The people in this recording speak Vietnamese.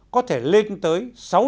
có thể lên tới sáu trăm linh